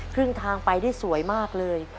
ครึ่งทางไปได้สวยมากเลย